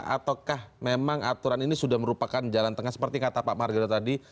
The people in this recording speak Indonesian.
ataukah memang aturan ini sudah merupakan jalan tengah seperti kata pak marga tadi